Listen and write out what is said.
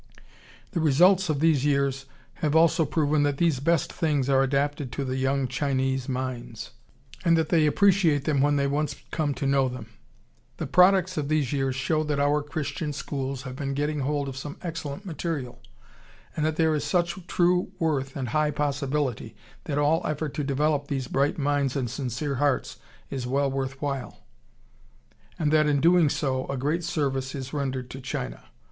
The results of these years have also proven that these best things are adapted to the young Chinese minds, and that they appreciate them when they once come to know them. The products of these years show that our Christian schools have been getting hold of some excellent material, and that there is such true worth and high possibility that all effort to develop these bright minds and sincere hearts is well worth while, and that in doing so a great service is rendered to China....